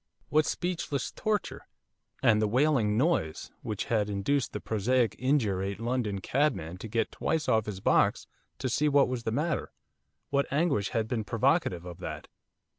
what speechless torture? And the 'wailing noise,' which had induced the prosaic, indurated London cabman to get twice off his box to see what was the matter, what anguish had been provocative of that?